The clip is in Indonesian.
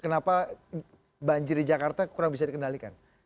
kenapa banjir di jakarta kurang bisa dikendalikan